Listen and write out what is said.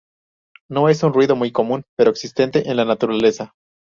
No es un ruido muy común pero existente en la naturaleza.